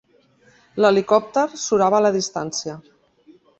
L'helicòpter surava a la distància.